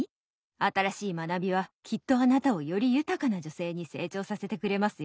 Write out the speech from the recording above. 新しい学びはきっとあなたをより豊かな女性に成長させてくれますよ。